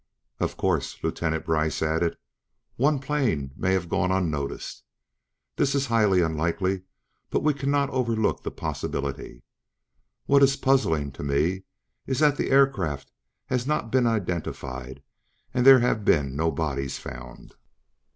"Of course," Lieutenant Brice added, "one plane may have gone unnoticed. This is highly unlikely, but we cannot overlook the possibility. What is puzzling, to me, is that the aircraft has not been identified and there have been no bodies found."